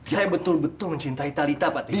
saya betul betul mencintai talitha pak teddy